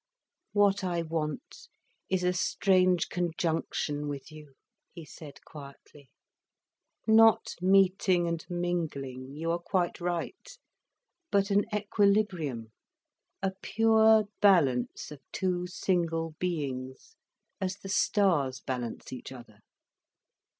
"What I want is a strange conjunction with you—" he said quietly; "not meeting and mingling—you are quite right—but an equilibrium, a pure balance of two single beings—as the stars balance each other."